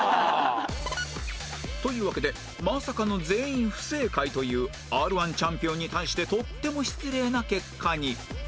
というわけでまさかの全員不正解という Ｒ−１ チャンピオンに対してとっても失礼な結果に